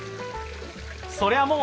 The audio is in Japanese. そりゃもう